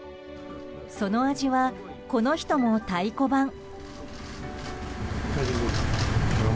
その味は、この人も太鼓判。